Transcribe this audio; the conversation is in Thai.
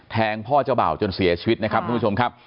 พ่อเจ้าบ่าวจนเสียชีวิตนะครับทุกผู้ชมครับ